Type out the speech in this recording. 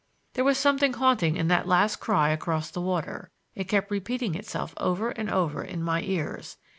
There was something haunting in that last cry across the water; it kept repeating itself over and over in my ears.